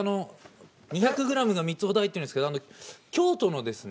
２００ｇが３つほど入ってるんですけど京都のですね